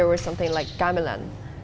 ada sesuatu seperti gamelan